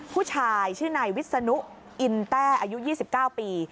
ผู้ชายชื่อนายวิศนุอินแต้อายุ๒๙ปี